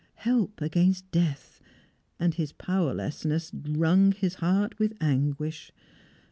Help against Death; and his powerlessness wrung his heart with anguish.